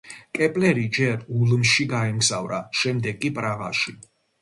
კეპლერი ჯერ ულმში გაემგზავრა, შემდეგ კი პრაღაში.